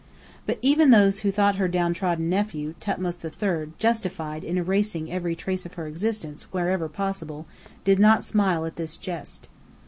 But even those who thought her downtrodden nephew, Thothmes III, justified in erasing every trace of her existence wherever possible, did not smile at this jest.